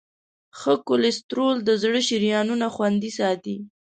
ښه کولیسټرول د زړه شریانونه خوندي ساتي.